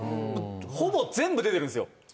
ほぼ全部出てるんですよ